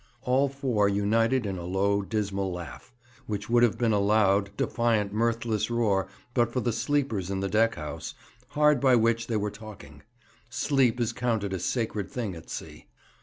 All four united in a low, dismal laugh, which would have been a loud, defiant, mirthless roar but for the sleepers in the deck house, hard by which they were talking. Sleep is counted a sacred thing at sea.